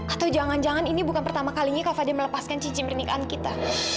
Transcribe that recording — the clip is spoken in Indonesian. atau jangan jangan ini bukan pertama kalinya kalau dia melepaskan cincin pernikahan kita